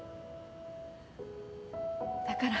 だから。